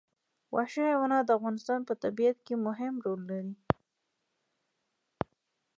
وحشي حیوانات د افغانستان په طبیعت کې مهم رول لري.